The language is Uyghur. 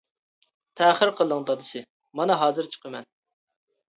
تەخىر قىلىڭ دادىسى، مانا ھازىر چىقىمەن.